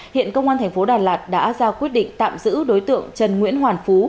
hiện công an thành phố đà lạt đã ra quyết định tạm giữ đối tượng trần nguyễn hoàn phú